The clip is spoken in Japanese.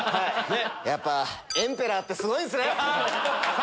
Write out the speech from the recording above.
やっぱエンペラーってすごいっすね！